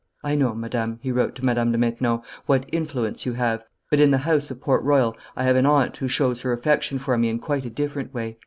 "I know, Madame," he wrote to Madame de Maintenon, "what influence you have; but in the house of Port Royal I have an aunt who shows her affection for me in quite a different way.